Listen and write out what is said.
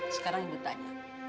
sekarang ibu tanya